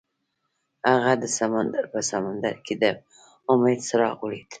هغه د سمندر په سمندر کې د امید څراغ ولید.